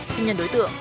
thân nhân đối tượng